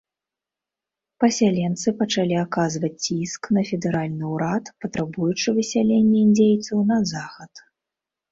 Пасяленцы пачалі аказваць ціск на федэральны ўрад, патрабуючы высялення індзейцаў на захад.